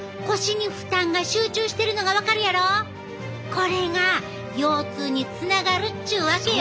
これが腰痛につながるっちゅうわけよ！